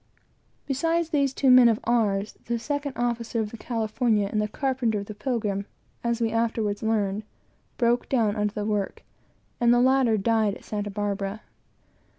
Beside these two men of ours, the second officer of the California and the carpenter of the Pilgrim broke down under the work, and the latter died at Santa Barbara.